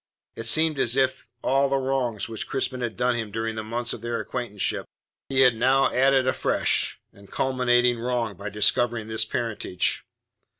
It seemed as if to all the wrongs which Crispin had done him during the months of their acquaintanceship he had now added a fresh and culminating wrong by discovering this parentage.